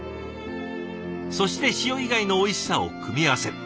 そして塩以外のおいしさを組み合わせる。